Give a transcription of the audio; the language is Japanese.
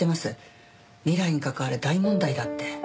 未来に関わる大問題だって。